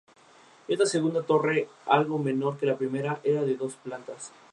Se distribuye por Panamá, Guyana, Colombia, Ecuador y Perú.